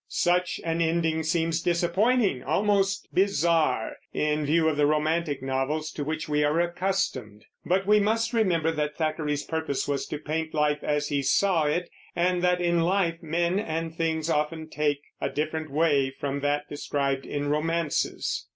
Such an ending seems disappointing, almost bizarre, in view of the romantic novels to which we are accustomed; but we must remember that Thackeray's purpose was to paint life as he saw it, and that in life men and things often take a different way from that described in romances.